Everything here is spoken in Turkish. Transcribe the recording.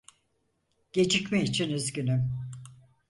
Gecikme için üzgünüm.